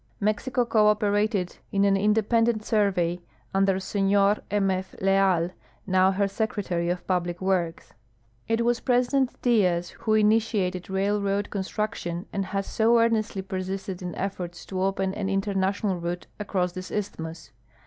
Mexico coop erated in an independent survey under Sehor M. F. Leal, noAV her secretary of })ublic Avorks. It Avas President Diaz Avho initiated railroad construction and has so earnestly persisted in efforts to open an international route aenjss this isthmus.